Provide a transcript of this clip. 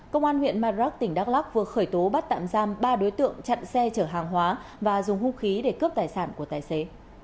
công an huyện madrak tỉnh đắk lắc vừa khởi tố bắt tạm giam ba đối tượng chặn xe chở hàng hóa và dùng hung khí để cướp tài sản của tài xế